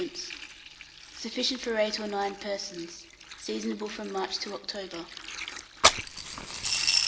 Sufficient for 8 or 9 persons. Seasonable from March to October.